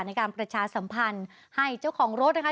ในการประชาสัมพันธ์ให้เจ้าของรถนะคะ